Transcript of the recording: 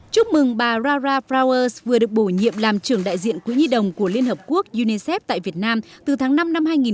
chúc mừng bà rara flowers vừa được bổ nhiệm làm trưởng đại diện quỹ nhi đồng của liên hợp quốc unicef tại việt nam từ tháng năm năm hai nghìn một mươi